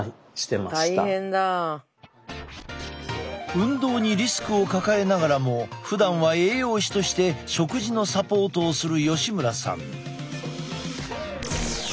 運動にリスクを抱えながらもふだんは栄養士として食事のサポートをする吉村さん。